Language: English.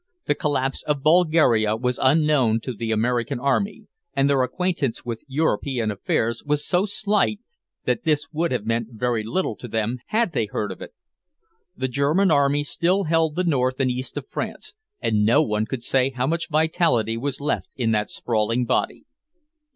The collapse of Bulgaria was unknown to the American army, and their acquaintance with European affairs was so slight that this would have meant very little to them had they heard of it. The German army still held the north and east of France, and no one could say how much vitality was left in that sprawling body.